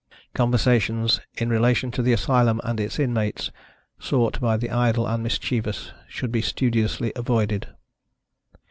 Conversations, in relation to the Asylum and its inmates, sought by the idle and mischievous, should be studiously avoided.